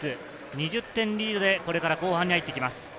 ２０点リードでこれから後半に入っていきます。